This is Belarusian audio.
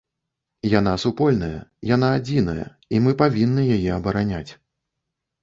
Яна супольная, яна адзіная, і мы павінны яе абараняць.